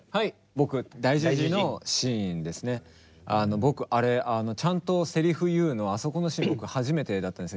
僕あれちゃんとセリフ言うのあそこのシーンが初めてだったんです。